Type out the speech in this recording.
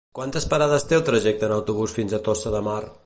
Quantes parades té el trajecte en autobús fins a Tossa de Mar?